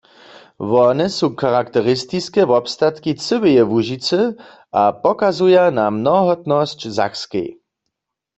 Wone su charakteristiske wobstatki cyłeje Łužicy a pokazuja na mnohotnosć w Sakskej.